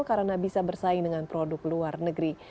karena bisa bersaing dengan produk luar negeri